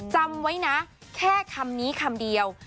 จำไว้นะแค่คำนี้คำเดียว